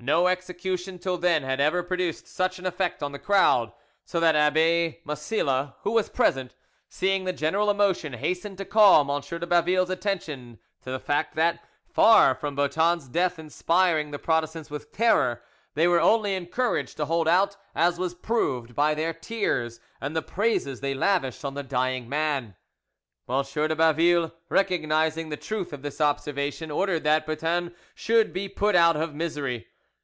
No execution till then had ever produced such an effect on the crowd, so that Abbe Massilla, who was present, seeing the general emotion, hastened to call M. de Baville's attention to the fact that, far from Boeton's death inspiring the Protestants with terror, they were only encouraged to hold out, as was proved by their tears, and the praises they lavished on the dying man. M de Baville, recognising the truth of this observation, ordered that Boeton should be put out of misery.